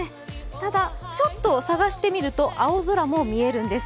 ただ、ちょっと探してみると青空も見えるんです。